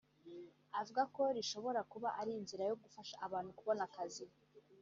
Avuga ko rishobora no kuba inzira yo gufasha abantu kubona akazi